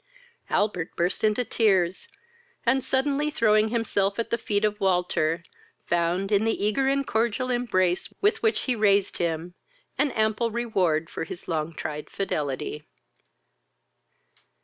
Albert burst into tears, and, suddenly throwing himself at the feet of Walter, found, in the eager and cordial embrace with which he raised him, an ample reward for his long tried fidelity.